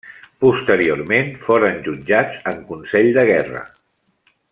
Posteriorment foren jutjats en consell de guerra.